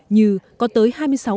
như có tới hai mươi sáu năm